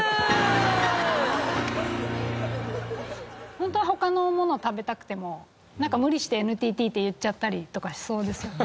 ホントは他のもの食べたくてもなんか無理してＮＴＴって言っちゃったりとかしそうですよね。